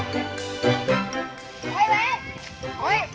เมื่อเมื่อ